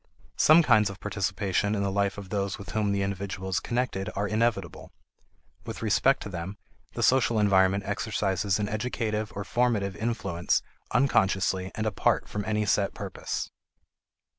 Some kinds of participation in the life of those with whom the individual is connected are inevitable; with respect to them, the social environment exercises an educative or formative influence unconsciously and apart from any set purpose.